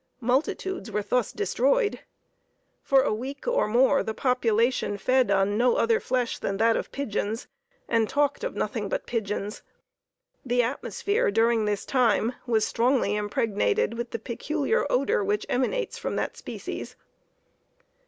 Multitudes were thus destroyed. For a week or more, the population fed on no other flesh than that of pigeons, and talked of nothing but pigeons. The atmosphere, during this time, was strongly impregnated with the peculiar odor which emanates from the species.